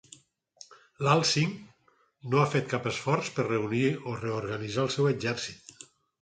Lal Singh no ha fet cap esforç per a reunir o reorganitzar el seu exèrcit.